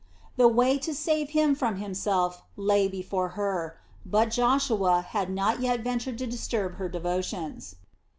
The way to save him from himself lay before her; but Joshua had not yet ventured to disturb her devotions.